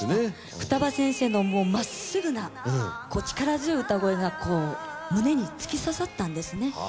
二葉先生のまっすぐな力強い歌声がこう胸につき刺さったんですね。